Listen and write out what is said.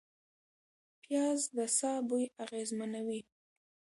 پیاز د ساه بوی اغېزمنوي